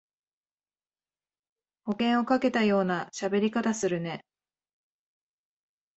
保険をかけたようなしゃべり方するね